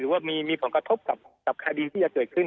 ว่ามีผลกระทบกับคดีที่จะเกิดขึ้น